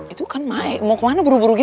itu kan naik mau kemana buru buru gitu